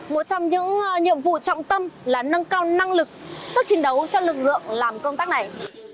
một trong những nhiệm vụ trọng tâm là nâng cao năng lực sức chiến đấu cho lực lượng làm công tác này